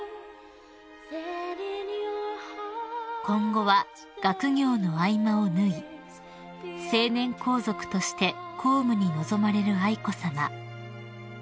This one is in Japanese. ［今後は学業の合間を縫い成年皇族として公務に臨まれる愛子さま］